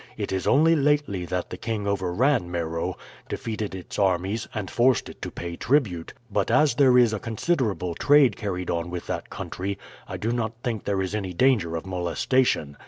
It is only lately that the king overran Meroe, defeated its armies, and forced it to pay tribute, but as there is a considerable trade carried on with that country I do not think there is any danger of molestation.